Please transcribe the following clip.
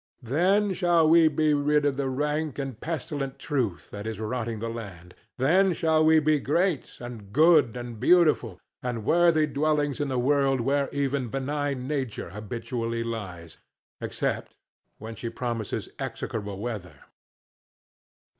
Then shall we be rid of the rank and pestilent truth that is rotting the land; then shall we be great and good and beautiful, and worthy dwellers in a world where even benign Nature habitually lies, except when she promises execrable weather.